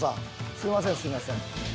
すいませんすいません。